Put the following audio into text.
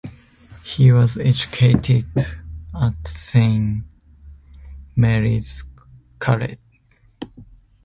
He was educated at Saint Mary's College.